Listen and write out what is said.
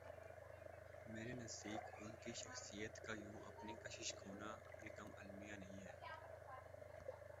میرے نزدیک ان کی شخصیت کا یوں اپنی کشش کھونا بھی کم المیہ نہیں ہے۔